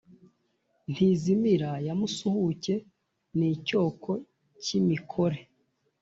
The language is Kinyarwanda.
Ntizimira ya Musuhuke ni Cyoko-cy‘imikore